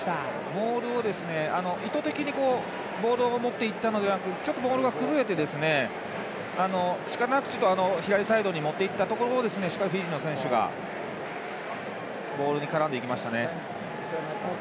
モールを意図的にボールを持っていったのがモールが崩れて、しかたなく左サイドにもっていったところをしっかりフィジーの選手がボールに絡んでいきましたね。